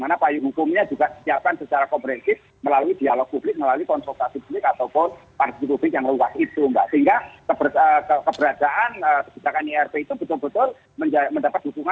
nah ini angkot itu bisa diganti dengan jendela kendaraan yang lebih lebih lagi